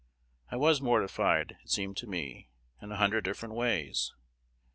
I was mortified, it seemed to me, in a hundred different ways.